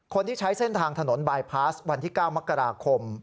คนที่ใช้เส้นทางถนนบายพาสวันที่๙มกราคม